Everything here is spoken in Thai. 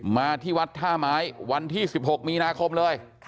มาที่วัดท่าไม้วันที่๑๖มีนาคมเลย